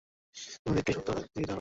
তোমাদিগকে এই তত্ত্ব শিখাইতে হইবে না।